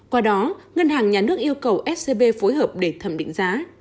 qua đó ngân hàng nhà nước yêu cầu scb phối hợp để thẩm định giá